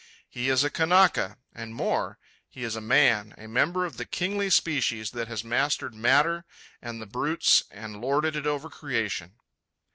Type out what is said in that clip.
He is a Kanaka—and more, he is a man, a member of the kingly species that has mastered matter and the brutes and lorded it over creation.